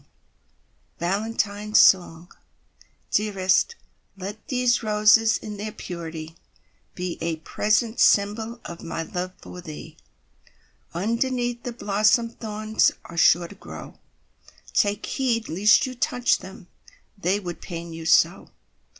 Y Z Valentine Song Dearest, let these roses In their purity, Be a present symbol Of my love for thee. Underneath the blossom Thorns are sure to grow; Take heed lest you touch them, They would pain you so!